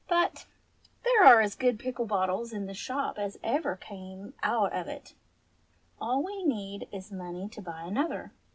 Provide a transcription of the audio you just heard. But there are as good pickle bottles in the shop as ever came out of it. All we need is money to buy another.